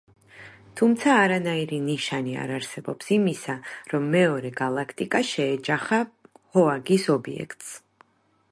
თუმცა, არანაირი ნიშანი არ არსებობს იმისა, რომ მეორე გალაქტიკა შეეჯახა ჰოაგის ობიექტს.